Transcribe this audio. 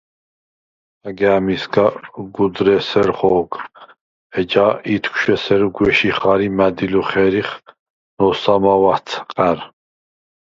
–ჰაგა̄̈მისგა გუდრ’ე̄სერ ხო̄გ, ეჯა ითქშუ̂ ესერ გუ̂ეში ხა̄რ ი მა̈დილუ ხე̄რიხ, ნო̄სამაუ̂ ა̈თყა̈რ!